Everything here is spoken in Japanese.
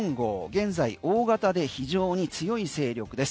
現在大型で非常に強い勢力です。